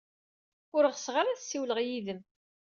Ur ɣseɣ ara ad ssiwleɣ yid-m.